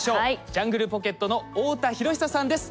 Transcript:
ジャングルポケットの太田博久さんです。